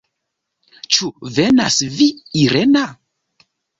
Ĉu venas vi, Irena?